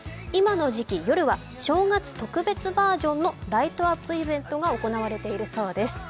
今の時期、夜はるは正月特別バージョンのライトアップイベントが行われているそうです。